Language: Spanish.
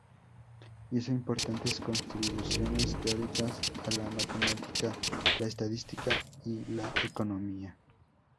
Hizo importantes contribuciones teóricas a la matemática, la estadística y la economía.